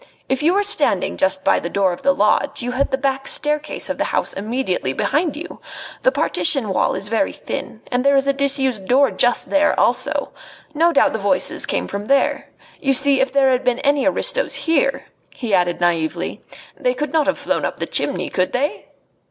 If you were standing just by the door of the lodge you had the back staircase of the house immediately behind you. The partition wall is very thin, and there is a disused door just there also. No doubt the voices came from there. You see, if there had been any aristos here," he added naively, "they could not have flown up the chimney, could they?"